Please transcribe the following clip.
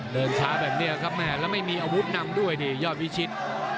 เดินช้าแบบนี้ครับแม่แล้วไม่มีอาวุธนำด้วยดิยอดวิชิต